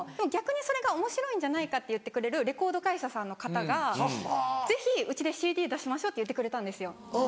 「逆にそれがおもしろいんじゃないか」って言ってくれるレコード会社さんの方が「ぜひうちでＣＤ出しましょう」って言ってくれたんですよ。